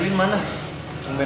bambin banget lu sendiri